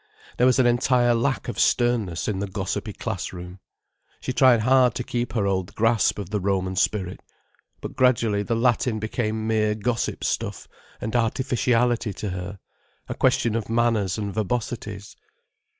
There was an entire lack of sternness in the gossipy class room. She tried hard to keep her old grasp of the Roman spirit. But gradually the Latin became mere gossip stuff and artificiality to her, a question of manners and verbosities.